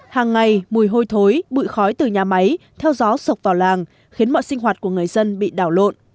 hàng ngày mùi hôi thối bụi khói từ nhà máy theo gió sộc vào làng khiến mọi sinh hoạt của người dân bị đảo lộn